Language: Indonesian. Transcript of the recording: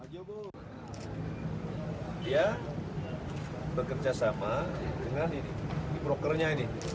dia bekerja sama dengan ini brokernya ini